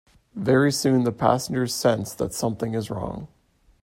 Very soon the passengers sense that something is wrong.